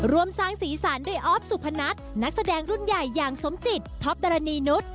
รวมสร้างสีสันด้วยออฟสุพนัทนักแสดงรุ่นใหญ่อย่างสมจิตท็อปดารณีนุษย์